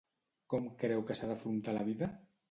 Com creu que s'ha d'afrontar la vida?